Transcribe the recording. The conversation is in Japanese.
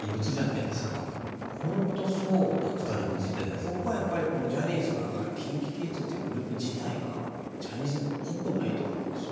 僕はやっぱりこのジャニーズの中でＫｉｎＫｉＫｉｄｓというグループ自体がジャニーズっぽくないと思うんですよ。